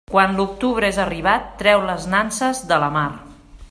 Quan l'octubre és arribat, treu les nanses de la mar.